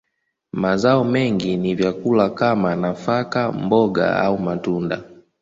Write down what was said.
Mazao mengi ni vyakula kama nafaka, mboga, au matunda.